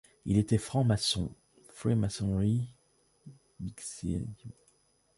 Il était franc-maçon freemasonry.bcy.ca.